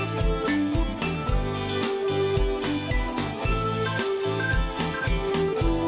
สวัสดีค่ะ